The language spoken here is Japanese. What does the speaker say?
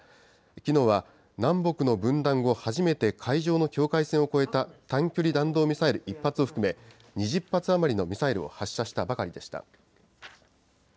きのうは南北の分断後初めて、海上の境界線を越えた短距離弾道ミサイル１発を含め、２０発余りのミサイルを発射したばかりでした。